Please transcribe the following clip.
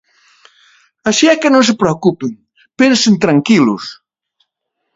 Así é que non se preocupen, pensen tranquilos.